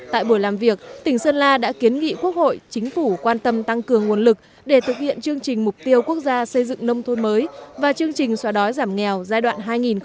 tại buổi làm việc tỉnh sơn la đã kiến nghị quốc hội chính phủ quan tâm tăng cường nguồn lực để thực hiện chương trình mục tiêu quốc gia xây dựng nông thôn mới và chương trình xóa đói giảm nghèo giai đoạn hai nghìn một mươi sáu hai nghìn hai mươi